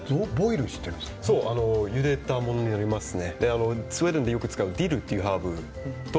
ゆでたものがありますね。